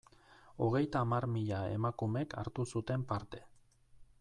Hogeita hamar mila emakumek hartu zuten parte.